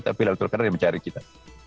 tapi lalatul qadar yang mencari kita